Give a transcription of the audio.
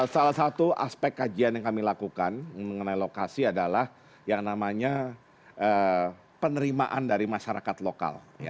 salah satu aspek kajian yang kami lakukan mengenai lokasi adalah yang namanya penerimaan dari masyarakat lokal